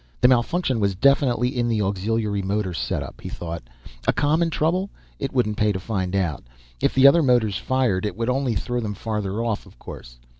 The malfunction was definitely in the auxiliary motor setup, he thought. A common trouble? It wouldn't pay to find out. If the other motors fired, it would only throw them farther off course.